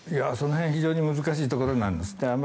その辺非常に難しいところなんですね。